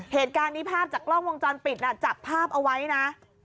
เหตุการณ์นี้ภาพจากกล้องวงจรปิดน่ะจับภาพเอาไว้นะ